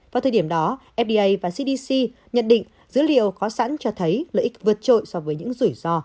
vào thời điểm đó fda và cdc nhận định dữ liệu có sẵn cho thấy lợi ích vượt trội so với những rủi ro